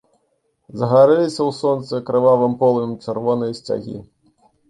Загарэліся ў сонцы крывавым полымем чырвоныя сцягі.